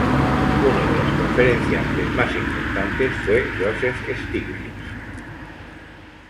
Uno de los conferenciantes más importantes fue Joseph Stiglitz.